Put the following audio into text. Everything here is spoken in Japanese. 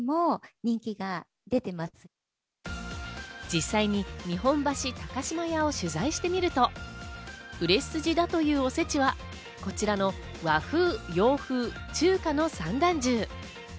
実際に日本橋高島屋を取材してみると、売れ筋だというおせちはこちらの、和風・洋風・中華の三段重。